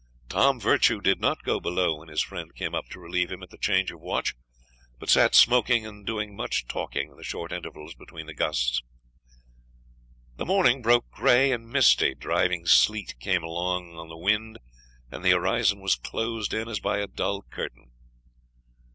Tom Virtue did not go below when his friend came up to relieve him at the change of watch, but sat smoking and doing much talking in the short intervals between the gusts. The morning broke gray and misty, driving sleet came along on the wind, and the horizon was closed in as by a dull curtain.